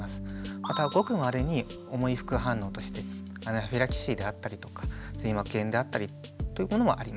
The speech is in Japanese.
またごくまれに重い副反応としてアナフィラキシーであったりとか髄膜炎であったりというものもあります。